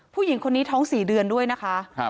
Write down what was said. ผู้หญิงคนนี้ท้อง๔เดือนด้วยนะคะ